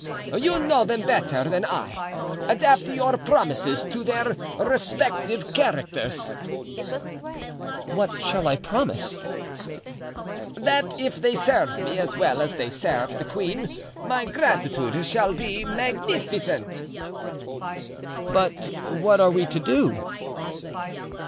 "You know them better than I. Adapt your promises to their respective characters." "What shall I promise?" "That if they serve me as well as they served the queen my gratitude shall be magnificent." "But what are we to do?"